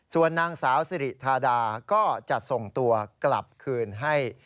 ส่วนนางสาวสิริธาดาก็จะส่งตัวกลับคืนให้